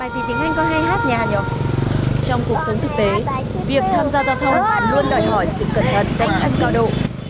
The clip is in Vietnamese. trong cuộc sống thực tế việc tham gia giao thông luôn đòi hỏi sự cẩn thận cạnh tranh cao độ